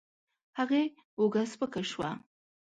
هغې اوږه سپکه شوه.